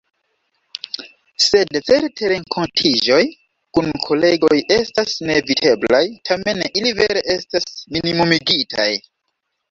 Sed certe renkontiĝoj kun kolegoj estas neeviteblaj, tamen ili vere estas minimumigitaj.